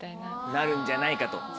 なるんじゃないかと。